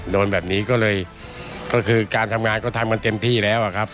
โดนแบบนี้ก็เลยก็คือการทำงานก็ทำกันเต็มที่แล้วอะครับ